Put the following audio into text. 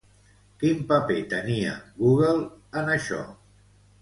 Quin paper tenia, Google, en això?